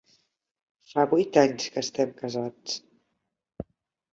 Fa huit anys que estem casats.